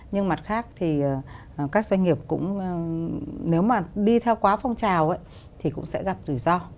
nhưng mặt khác thì các doanh nghiệp cũng nếu mà đi theo quá phong trào thì cũng sẽ gặp rủi ro